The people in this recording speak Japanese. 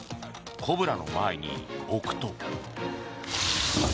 コブラの前に置くと。